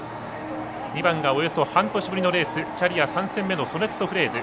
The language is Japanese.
２番が、およそ半年ぶりのレースキャリア３戦のソネットフレーズ。